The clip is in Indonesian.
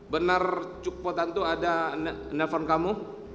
benar cukup tentu ada nelfon kamu